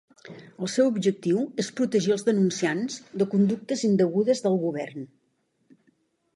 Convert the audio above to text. El seu objectiu és protegir els denunciants de conductes indegudes del govern.